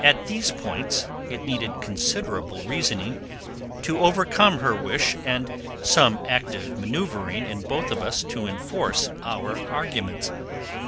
At these points it needed considerable reasoning to overcome her wish and some active manoeuvring in both of us to enforce our arguments.